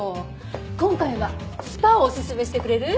今回はスパをおすすめしてくれる？